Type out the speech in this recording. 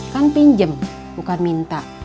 kan pinjem bukan minta